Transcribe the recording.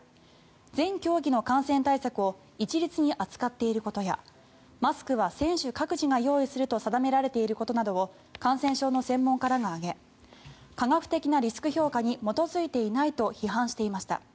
全競技の感染対策を一律に扱っていることやマスクは選手各自が用意すると定められていることなどを感染症の専門家らが挙げ科学的なリスク評価に基づいていないと批判していました。